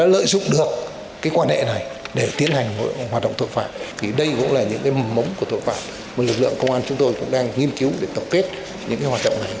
lực lượng công an chúng tôi cũng đang nghiên cứu để tập kết những hoạt động này